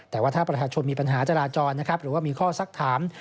แต่ว่าถ้าประชาชนมีปัญหาจราจรนะครับหรือว่ามีข้อสักถาม